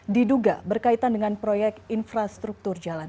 diduga berkaitan dengan proyek infrastruktur jalan